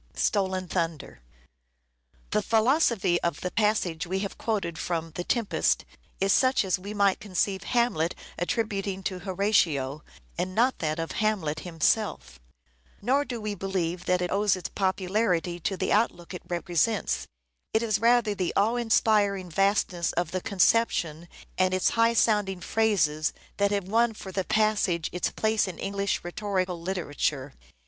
The philosophy of the passage we have quoted from " The Tempest " is such as we might conceive Hamlet attributing to Horatio, and not that of Hamlet SHAKESPEARE " IDENTIFIED Stolen thunder. The stuff of dreams. himself. Nor do we believe that it owes its popularity to the outlook it represents. It is rather the awe inspiring vastness of the conception and its high sound ing phrases that have won for the passage its place in English rhetorical literature.